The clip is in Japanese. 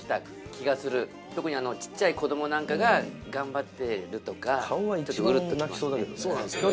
特にちっちゃい子どもなんかが頑張ってるとかちょっとうるっときますね。